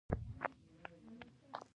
زه په خپل افغانیت ویاړ کوم.